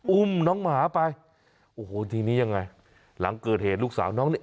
อุ้มน้องหมาไปโอ้โหทีนี้ยังไงหลังเกิดเหตุลูกสาวน้องเนี่ย